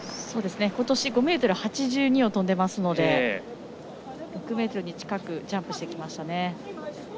今年５ｍ８２を跳んでいますので６ｍ近くにジャンプしてきました。